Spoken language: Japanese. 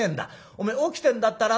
お前起きてんだったらな